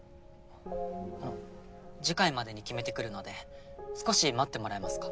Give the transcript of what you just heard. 次回までに決めてくるので少し待ってもらえますか？